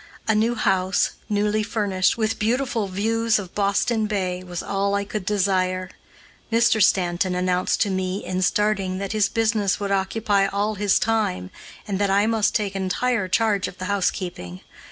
A new house, newly furnished, with beautiful views of Boston Bay, was all I could desire. Mr. Stanton announced to me, in starting, that his business would occupy all his time, and that I must take entire charge of the housekeeping.